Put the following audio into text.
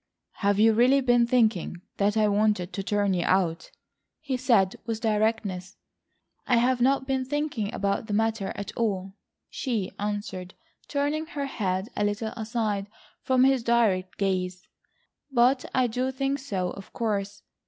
"Have you really been thinking that I wanted to turn you out?" he said, with directness. "I have not been thinking about the matter at all," she answered, turning her head a little aside from his direct gaze. "But I do think so of course.